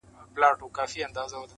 پخوانیو زمانو کي یو دهقان وو،